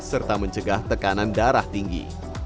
serta mencegah tekanan darah tinggi